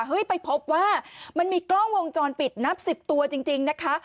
ไปพบว่ามันมีกล้องวงจรปิดนับ๑๐ตัวจริงนะคะ